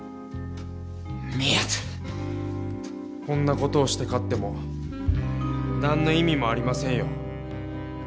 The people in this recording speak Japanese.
こんな事をして勝っても何の意味もありませんよ。